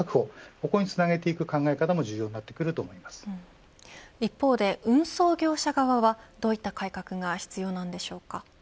ここにつなげていく考え方も一方で、運送業者側はどういった改革が必要なんでしょうか。